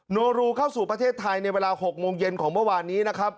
โนรูเข้าสู่ประเทศไทยในเวลา๖โมงเย็นของเมื่อวานนี้นะครับ